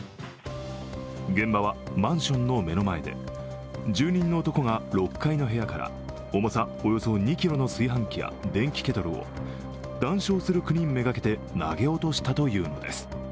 現場はマンションの目の前で住人の男が６階の部屋から重さおよそ２ｋｇの炊飯器や電気ケトルを談笑する９人目がけて投げ落としたというのです。